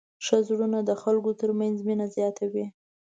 ښه زړونه د خلکو تر منځ مینه زیاتوي.